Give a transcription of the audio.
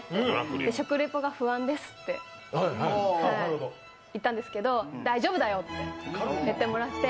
食リポが不安ですって言ったんですけど、大丈夫だよって言ってもらって。